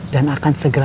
dan akan segera